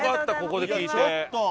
ここで聞いて。